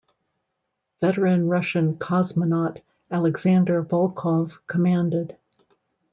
Veteran Russian cosmonaut Alexandr Volkov commanded.